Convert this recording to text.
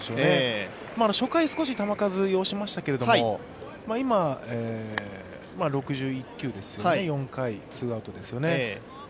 初回、少し球数を要しましたけれども、今、６１球ですよね、４回ツーアウトですよね。